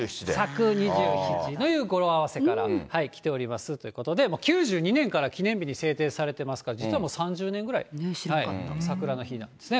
咲く２７という語呂合わせから来ておりますということで、もう９２年から記念日に制定されてますから、実はもう３０年ぐらい、さくらの日なんですね。